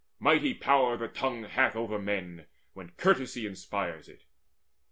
Mighty power The tongue hath over men, when courtesy Inspires it.